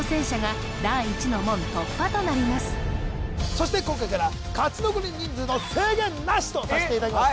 そして今回から勝ち残り人数の制限なしとさせていただきます